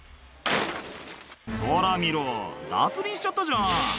「そら見ろ脱輪しちゃったじゃん」